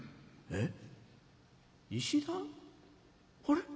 えっ？